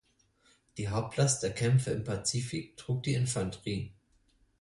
Die Hauptlast der Kämpfe im Pazifik trug die Infanterie.